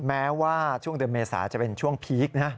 แม้ว่าช่วงเดือนเมษาจะเป็นช่วงพีคนะ